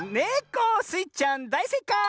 スイちゃんだいせいかい！